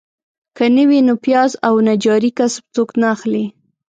که نه وي نو پیاز او نجاري کسب څوک نه اخلي.